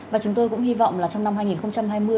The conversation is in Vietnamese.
và chúng tôi cũng hy vọng là trong năm hai nghìn hai mươi